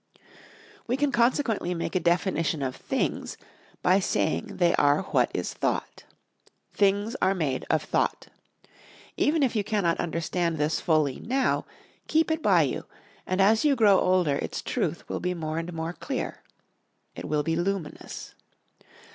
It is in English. We can consequently make a definition of THINGS by saying they are what is thought. Things are made of thought. Even if you cannot understand this fully now, keep it by you and as you grow older its truth will be more and more clear. It will be luminous.